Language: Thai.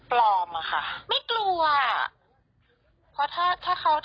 ปลอมค่ะไม่กลัว